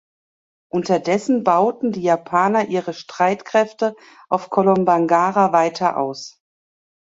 Unterdessen bauten die Japaner ihre Streitkräfte auf Kolombangara weiter aus.